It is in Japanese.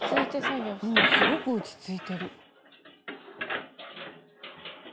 うんすごく落ち着いてる。